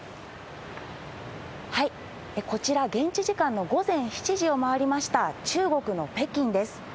こちら、現地時間の午前７時を回りました、中国の北京です。